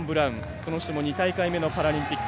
この人も２大会目のパラリンピック。